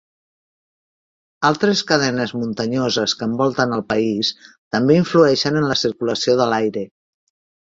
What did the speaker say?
Altres cadenes muntanyoses que envolten el país també influeixen en la circulació de l'aire.